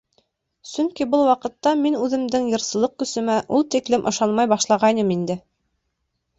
Сөнки был ваҡытта мин үҙемдең йырсылыҡ көсөмә ул тиклем ышанмай башлағайным инде...